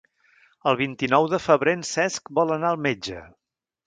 El vint-i-nou de febrer en Cesc vol anar al metge.